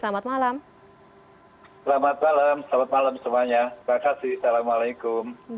selamat malam selamat malam semuanya terima kasih salam alaikum